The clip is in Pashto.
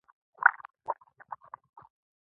په هر کچه چې بې عدالتي شدیده وي.